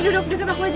duduk di depan aku aja